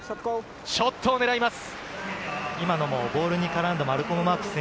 ショットを狙います。